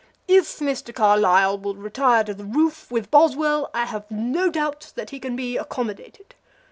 "If Mr. Carlyle will retire to the roof with Boswell I have no doubt he can be accommodated.